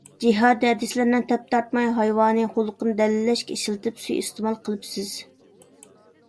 جىھاد ھەدىسلىرىنى تەپتارتماي ھايۋانىي خۇلقىنى دەلىللەشكە ئىشلىتىپ سۇيىئىستېمال قىلىپسىز.